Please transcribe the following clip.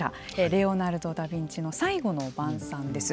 レオナルド・ダビンチの「最後の晩餐」です。